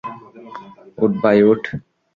উঠ ভাই উঠ।